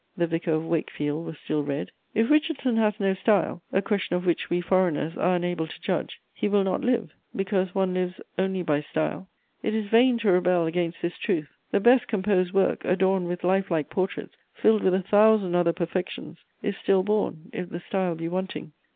The Vicar of Wakefield was still read. If Richardson has no style, a question of which we foreigners are unable to judge, he will not live, because one lives only by style. It is vain to rebel against this truth: the best composed work, adorned with life like portraits, filled with a thousand other perfections, is still born if the style be wanting.